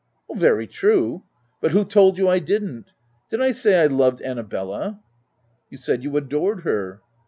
"Very true: but who told you I didn't? Did I say I loved Annabella ?" u You said you adored her."